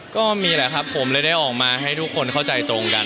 ก็มีแหละครับผมเลยได้ออกมาให้ทุกคนเข้าใจตรงกัน